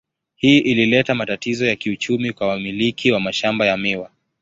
Hii ilileta matatizo ya kiuchumi kwa wamiliki wa mashamba ya miwa.